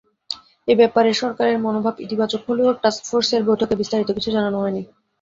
এ ব্যাপারে সরকারের মনোভাব ইতিবাচক হলেও টাস্কফোর্সের বৈঠকে বিস্তারিত কিছু জানানো হয়নি।